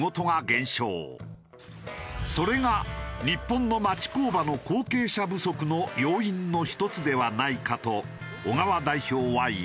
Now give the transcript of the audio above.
それが日本の町工場の後継者不足の要因の１つではないかと小川代表は言う。